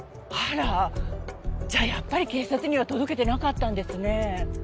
あらじゃあやっぱり警察には届けてなかったんですね。